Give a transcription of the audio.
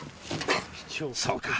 そうか！